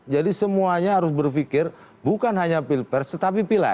jadi semuanya harus berpikir bukan hanya pilpres tetapi pileg